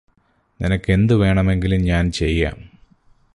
നിനക്കെന്ത് വേണമെങ്കിലും ഞാന് ചെയ്യാം